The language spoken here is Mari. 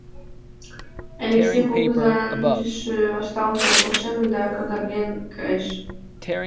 Элексей кугызан тӱсшӧ вашталте, ошемын да какарген кайыш.